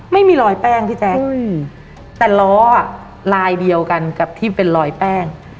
ไม่มีรอยแป้งพี่แจ๊คแต่ล้ออ่ะลายเดียวกันกับที่เป็นรอยแป้ง